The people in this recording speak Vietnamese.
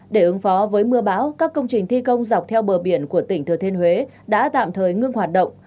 để ứng phó với mưa bão các công trình thi công dọc theo bờ biển của tỉnh thừa thiên huế đã tạm thời ngưng hoạt động